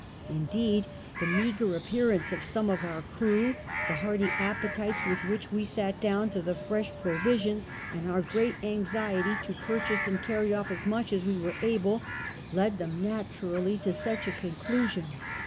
Indeed the meagre appearance of some of our crew, the heai ty appetites with which we sat down to the fresh provisions, and our great anxiety to purchase and caiTy olf as much as we were able, led them naturally to such a con clusion.